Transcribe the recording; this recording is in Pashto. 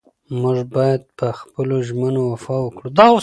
موږ باید په خپلو ژمنو وفا وکړو.